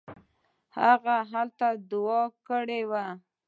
هغه هلته دوعا کړې وه.